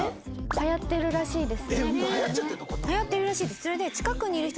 流行ってるらしいです。